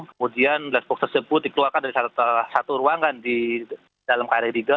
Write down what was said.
kemudian black box tersebut dikeluarkan dari satu ruangan di dalam kri rigel